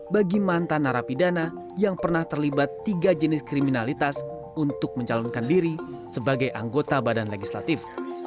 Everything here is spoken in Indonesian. bagi mantan narapidana yang pernah terlibat tiga jenis kriminalitas untuk mencalonkan diri sebagai anggota badan legislatif